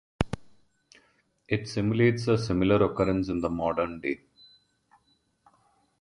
It simulates a similar occurrence in the modern day.